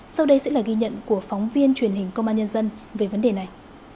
sau đây sẽ là ghi nhận của phóng viên truyền hình công an nhân dân về vấn đề này